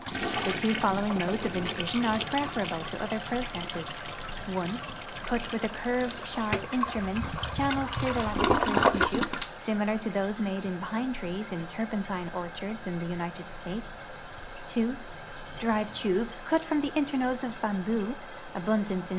The two following modes of incision are preferable to other processes : (1) Cut with a curved, sharp instrument channels througli the lactiferous tissues similar to tliose made in pine trees in turpentine orchards in the United States ; (2) drive tubes cut from tlie internodes of bamboo (abundant in.